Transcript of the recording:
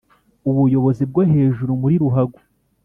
ubuyobozi bwo hejuru muri ruhago